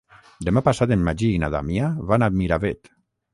Demà passat en Magí i na Damià van a Miravet.